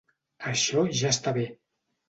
Això ja està bé!